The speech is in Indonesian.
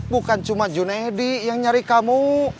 bukan cuma junaidi yang nyari kamu